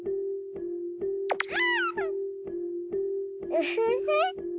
ウフフ！